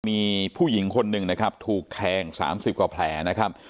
มีผู้หญิงคนหนึ่งนะครับถูกแทง๓๐กว่าแผลนะครับ